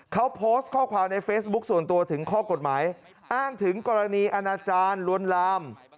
เขาโพสต์ข้อความในเฟซบุ๊คส่วนตัวถึงข้อกฎหมายอ้างถึงกรณีอาณาจารย์ลวนลาม